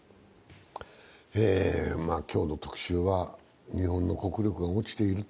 今日の特集は日本の国力が落ちていると。